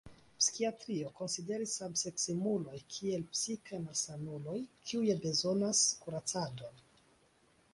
Psikiatrio konsideris samseksemuloj kiel psikaj malsanuloj kiuj bezonas kuracadon.